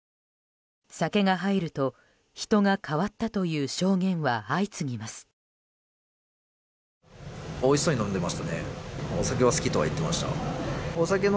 酒が入ると、人が変わったという証言は相次ぎます。